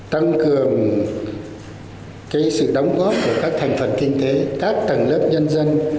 tăng cường sự đóng góp của các thành phần kinh tế các tầng lớp nhân dân